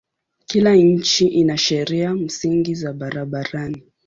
Kila nchi ina sheria msingi za barabarani.